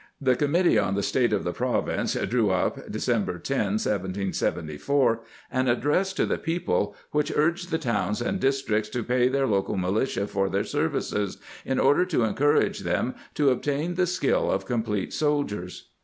* The committee on the state of the province drew up, December 10, 1774, an address to the people which urged the ' towns and districts to pay their local militia for their services, in order to encourage them " to ob tain the skill of complete soldiers."